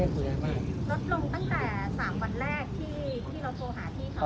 ลดลงตั้งแต่๓วันแรกที่เราโทรหาพี่เขา